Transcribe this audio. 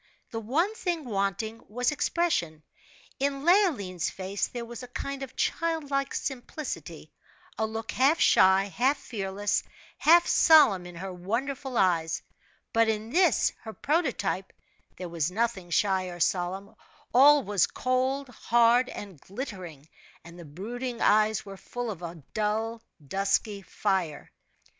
The one thing wanting was expression in Leoline's face there was a kind of childlike simplicity; a look half shy, half fearless, half solemn in her wonderful eyes; but in this, her prototype, there was nothing shy or solemn; all was cold, hard, and glittering, and the brooding eyes were full of a dull, dusky fire.